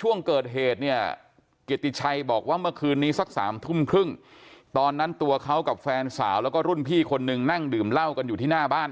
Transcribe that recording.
ช่วงเกิดเหตุเนี่ยเกียรติชัยบอกว่าเมื่อคืนนี้สัก๓ทุ่มครึ่งตอนนั้นตัวเขากับแฟนสาวแล้วก็รุ่นพี่คนนึงนั่งดื่มเหล้ากันอยู่ที่หน้าบ้าน